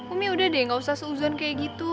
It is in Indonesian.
umi udah deh gak usah seuzon kayak gitu